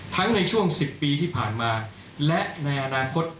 ในช่วง๑๐ปีที่ผ่านมาและในอนาคต